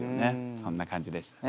そんな感じでしたね。